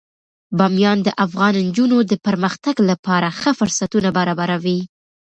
بامیان د افغان نجونو د پرمختګ لپاره ښه فرصتونه برابروي.